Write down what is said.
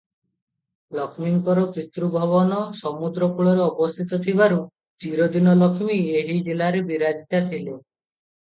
ଲକ୍ଷ୍ମୀଙ୍କର ପିତୃଭବନ ସମୁଦ୍ର କୂଳରେ ଅବସ୍ଥିତ ଥିବାରୁ ଚିରଦିନ ଲକ୍ଷ୍ମୀ ଏହି ଜିଲ୍ଲାରେ ବିରାଜିତା ଥିଲେ ।